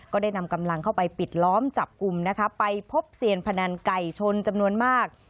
ก็ได้นำกำลังเข้าไปปิดล้อมจับกลุ่มนะคะไปพบเซียนพนันไก่ชนจำนวนมาก